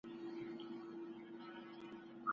د علمي پوهې لېږد په سياست کې مهم دی.